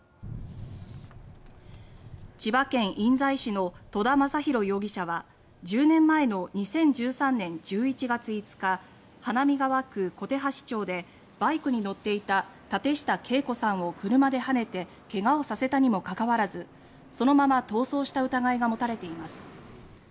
千葉県印西市の戸田昌宏容疑者は１０年前の２０１３年１１月５日花見川区犢橋町でバイクに乗っていた舘下敬子さんを車ではねて怪我をさせたにも関わらずそのまま逃走した疑いが持たれています。